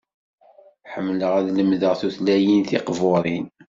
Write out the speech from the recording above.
Ḥemmleɣ ad lemdeɣ tutlayin tiqbuṛin.